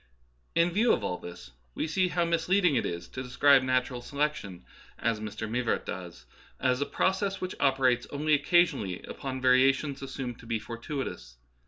In view of all this we see how misleading it is to describe natural selection (as Mr. Mivart does) as a process which operates only occasionally upon variations assumed to be fortuitous.